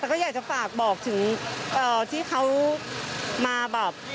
แต่ก็อยากจะฝากบอกถึงที่เขามาแบบ